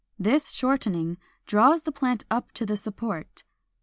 This shortening draws the plant up to the support.